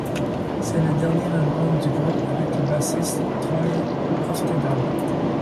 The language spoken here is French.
C'est le dernier album du groupe avec le bassiste Troy Oftedal.